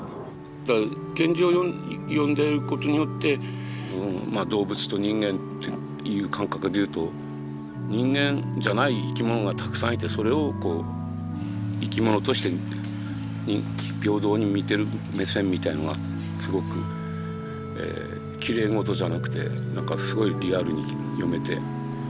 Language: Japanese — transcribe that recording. だから賢治を読んでることによって動物と人間っていう感覚でいうと人間じゃない生き物がたくさんいてそれをこう生き物として平等に見てる目線みたいのがすごくきれいごとじゃなくてすごいリアルに読めて。